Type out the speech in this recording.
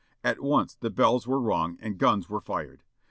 At once the bells were rung and guns were fired.